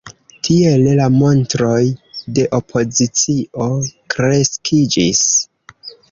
Tiele la montroj de opozicio kreskiĝis.